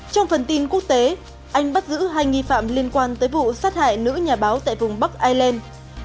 trong phần tin quốc tế anh bắt giữ hai nghi phạm liên quan tới vụ sát hại nữ nhà báo tại vùng bắc ireland